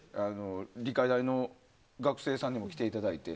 理科大の学生さんにも来ていただいて。